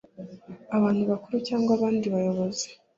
abantu bakuru cyangwa abandi bayobozi